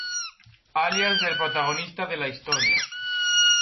Alias del protagonista de la historia.